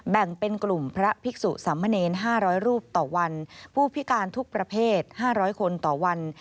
แบ่งเป็นกลุ่มพระภิกษุสัมมะเนร๕๐๐รูปต่อวันผู้พิการทุกประเภท๕๐๐คนต่อวัน